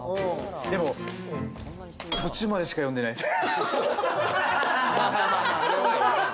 でも途中までしか読んでないです。